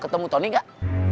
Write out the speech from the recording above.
ketemu tony gak